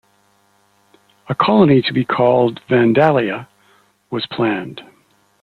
A colony to be called "Vandalia" was planned.